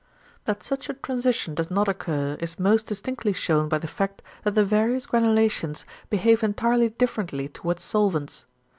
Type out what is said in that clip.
That such a transition does not occur is most distinctly shewn by the fact that the various granulations behave entirely differently towards solvents.